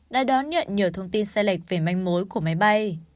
đã đón nhận nhiều thông tin sai lệch về manh mối của máy bay